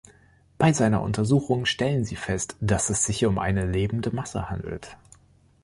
Bei seiner Untersuchung stellen sie fest, dass es sich um eine lebende Masse handelt.